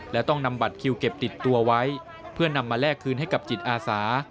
และต้องนำบัตรคิวเก็บติดตัวไว้เพื่อนำมาแลกคืนให้กับจิตอาสา